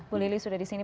bu lili sudah di sini